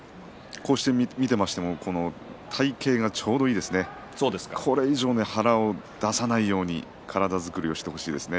こうして見てましても体形がちょうどいいですねこれ以上、腹を出さないように体作りをしてほしいですね。